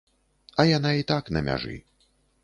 А яна і так на мяжы.